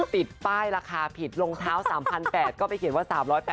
ติดป้ายราคาผิดรองเท้า๓๘๐๐ก็ไปเขียนว่า๓๘๐